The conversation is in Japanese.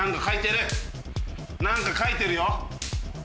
なんか書いてるよ！